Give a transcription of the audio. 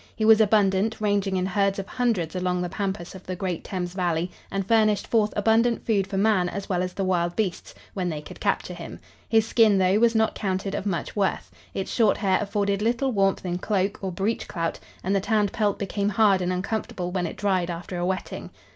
He was abundant, ranging in herds of hundreds along the pampas of the great Thames valley, and furnished forth abundant food for man as well as the wild beasts, when they could capture him. His skin, though, was not counted of much worth. Its short hair afforded little warmth in cloak or breech clout, and the tanned pelt became hard and uncomfortable when it dried after a wetting.